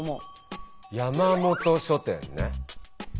山本書店ね。